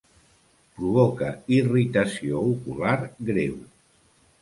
Provoca irritació ocular greu.